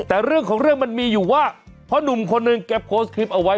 แต่เรื่องของเรื่องมันมีอยู่ว่าพ่อหนุ่มคนหนึ่งแกโพสต์คลิปเอาไว้